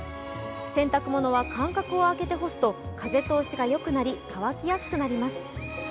洗濯物は間隔をあけて干すと風通しがよくなり、乾きやすくなります。